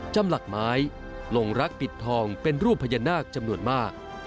จำหลักไม้ลงรักปิดทองเป็นรูปพญานาคจำนวนมาก